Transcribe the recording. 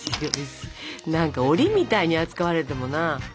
何かおりみたいに扱われてもな。